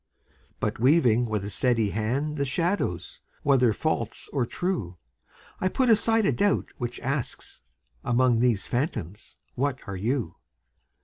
But weaving with a steady hand The shadows, whether false or true, I put aside a doubt which asks "Among these phantoms what are you?"